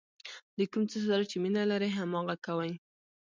د کوم څه سره چې مینه لرئ هماغه کوئ.